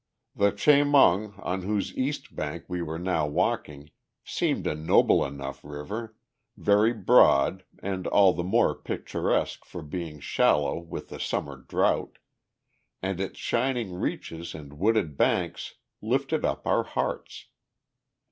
The Chemung, on whose east bank we were now walking, seemed a noble enough river, very broad and all the more picturesque for being shallow with the Summer drought; and its shining reaches and wooded banks lifted up our hearts.